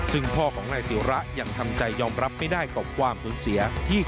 ซึ่งพ่อของนายสิวระยังทำใจยอมรับไม่ได้